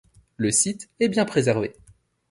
Le site est bien préservé.